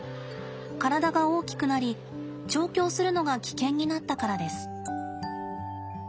体が大きくなり調教するのが危険になったからです。